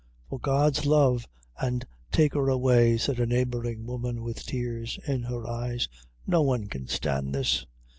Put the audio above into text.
"For God's love, an' take her away," said a neighboring woman, with tears in her eyes; "no one can stand this."